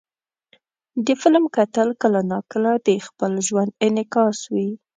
د فلم کتل کله ناکله د خپل ژوند انعکاس وي.